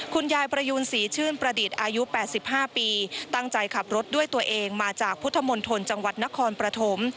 คุณยายประยูนศรีชื่นประดิษฐ์อายุ๘๕ปีตั้งใจขับรถด้วยตัวเองมาจากพุทธมณฑลจังหวัดนครปฐม